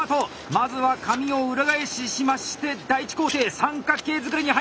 まずは紙を裏返ししまして第１工程三角形作りに入る！